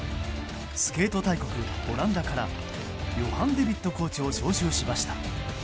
スケート大国オランダからヨハン・デビットコーチを招集しました。